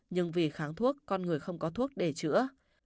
nhưng vì kháng thuốc con người không có thuốc để chữa